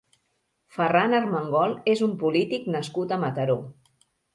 Ferran Armengol és un polític nascut a Mataró.